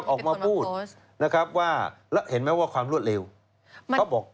ออกมาพูดนะครับว่าแล้วเห็นไหมว่าความรวดเร็วเขาบอก